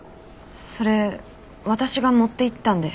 それ私が持って行ったんで。